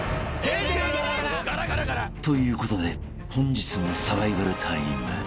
［ということで本日もサバイバルタイム］